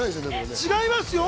違いますよ。